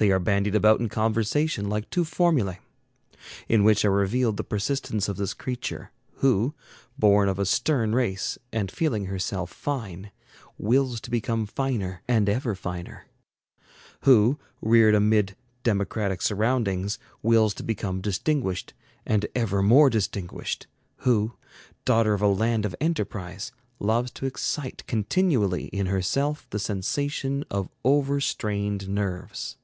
They are bandied about in conversation like two formulae, in which are revealed the persistence of this creature, who, born of a stern race, and feeling herself fine, wills to become finer and ever finer; who, reared amid democratic surroundings, wills to become distinguished and ever more distinguished; who, daughter of a land of enterprise, loves to excite continually in herself the sensation of over strained nerves.